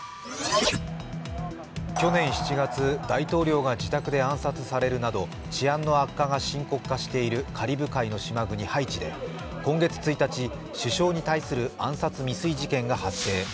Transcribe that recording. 去年７月、大統領が自宅で暗殺されるなど治安の悪化が深刻化しているカリブ海の島国ハイチで、今月１日、首相に対する暗殺未遂事件が発生。